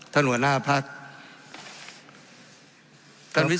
ทั้งสองกรณีผลเอกประยุทธ์